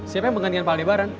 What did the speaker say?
siapa yang mengandung pak al debaran